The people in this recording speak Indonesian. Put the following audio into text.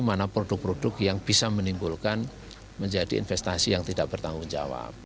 mana produk produk yang bisa menimbulkan menjadi investasi yang tidak bertanggung jawab